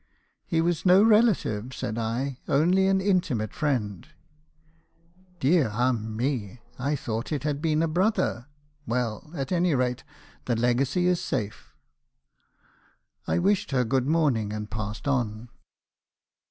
" 'He was no relative ,' said I ;' only an intimate friend.' 296 me. haeeison's confessions. " 'Dear ah me ! I thought it had been a brother ! Well, at any rate, the legacy is safe.' "I wished her good morning, and passed on.